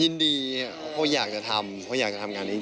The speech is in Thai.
ยินดีเพราะอยากจะทำเพราะอยากจะทำงานนี้